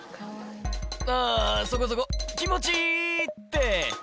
あー、そこそこ、気持ちいいって！